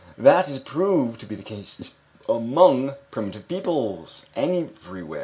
This is proved to be the case among primitive peoples everywhere.